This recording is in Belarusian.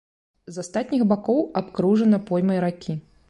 З астатніх бакоў абкружана поймай ракі.